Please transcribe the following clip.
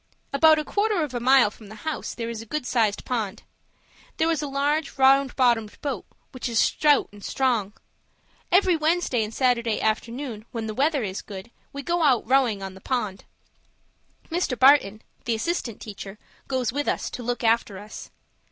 About a quarter of a mile from the house there is a good sized pond. There is a large, round bottomed boat, which is stout and strong. Every Wednesday and Saturday afternoon, when the weather is good, we go out rowing on the pond. Mr. Barton, the assistant teacher, goes with us, to look after us.